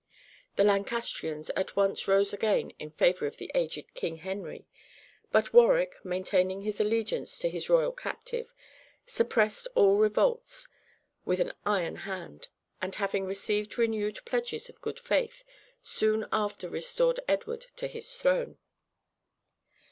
The Lancastrians at once rose again in favor of the aged King Henry; but Warwick, maintaining his allegiance to his royal captive, suppressed all revolts with an iron hand, and, having received renewed pledges of good faith, soon after restored Edward to his throne.